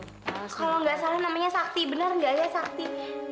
kalau nggak salah namanya sakti benar nggak ya sakti